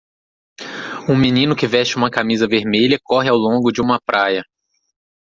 Um menino que veste uma camisa vermelha corre ao longo de uma praia.